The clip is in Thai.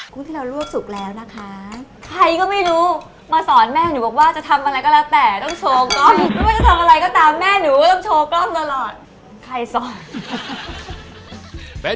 กุ้งที่เรารวบสุกแล้วนะคะ